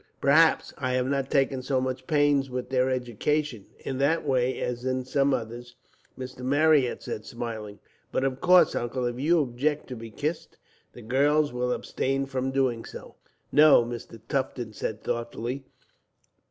"Perhaps I have not taken so much pains with their education, in that way, as in some others," Mrs. Marryat said, smiling. "But of course, Uncle, if you object to be kissed, the girls will abstain from doing so." "No," Mr. Tufton said, thoughtfully.